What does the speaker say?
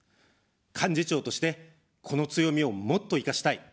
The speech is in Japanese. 幹事長として、この強みをもっと生かしたい。